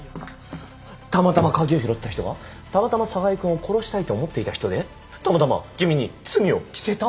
たまたま鍵を拾った人がたまたま寒河江君を殺したいと思っていた人でたまたま君に罪を着せた？